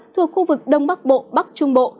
thuộc khu vực đông bắc bộ bắc trung bộ